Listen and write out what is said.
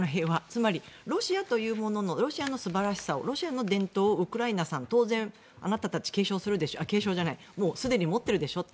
つまり、ロシアというもののロシアの素晴らしさをロシアの伝統をウクライナさん当然あなたたちはすでに持っているでしょ。